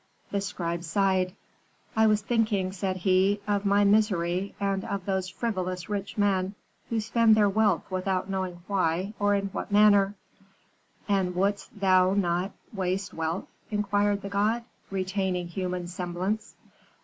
"The scribe sighed. "'I was thinking,' said he, 'of my misery, and of those frivolous rich men who spend their wealth without knowing why or in what manner.' "'And wouldst thou not waste wealth?' inquired the god, retaining human semblance.